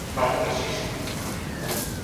Mais non existe.